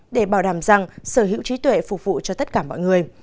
để bảo đảm rằng sở hữu trí tuệ phục vụ cho tất cả mọi người